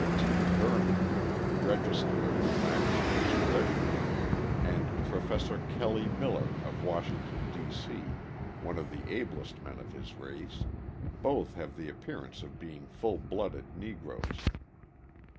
W. T. Vernon, Register of the United States Treasury, and Professor Kelly Miller of Washington, D. C., one of the ablest men of his race, both have the appearance of being full blooded Negroes.